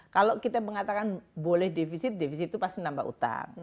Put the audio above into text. kalau kita mengatakan boleh defisit defisit itu pasti nambah utang